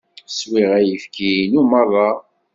Swiɣ ayefki-inu merra.